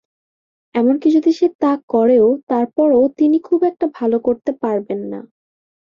এমনকি যদি সে তা করেও, তারপরও তিনি খুব একটা ভালো করতে পারবেন না।